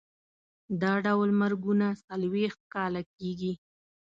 دا ډول مرګونه څلوېښت کاله کېږي.